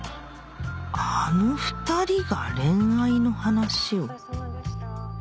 あの２人が恋愛の話を？